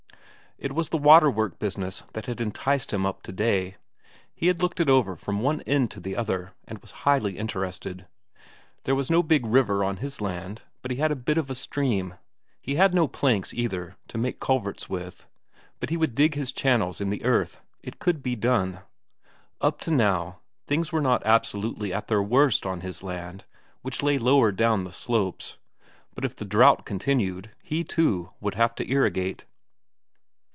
It was the waterwork business that had enticed him up today; he had looked it over from one end to the other, and was highly interested. There was no big river on his land, but he had a bit of a stream; he had no planks, either, to make culverts with, but he would dig his channels in the earth; it could be done. Up to now, things were not absolutely at their worst on his land, which lay lower down the slopes; but if the drought continued, he, too, would have to irrigate.